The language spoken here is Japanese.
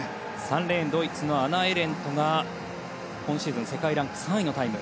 ３レーンドイツのアナ・エレントが今シーズン世界ランク３位のタイム。